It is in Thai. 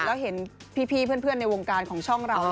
เราเห็นพี่เพื่อนในวงการของช่องเรานะครับ